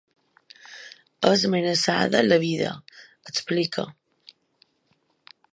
És amenaçada la vida, explica.